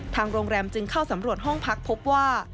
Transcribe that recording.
ทางโรงแรมจึงเข้าสำรวจห้องพักพบว่า